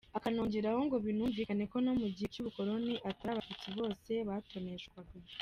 Akanongeraho ngo: “Binumvikane ko no mu gihe cy’Ubukoloni atari Abatutsi bose batoneshwaga.